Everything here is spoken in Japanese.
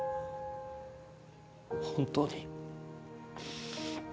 本当に